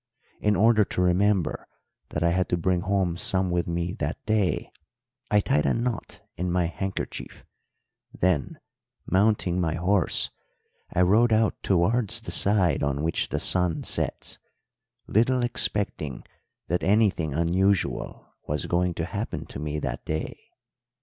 In order to remember that I had to bring home some with me that day I tied a knot in my handkerchief; then, mounting my horse, I rode out towards the side on which the sun sets, little expecting that anything unusual was going to happen to me that day.